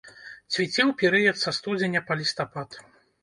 Цвіце ў перыяд са студзеня па лістапад.